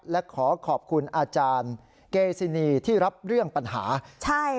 และขอขอบคุณอาจารย์เกซินีที่รับเรื่องปัญหาใช่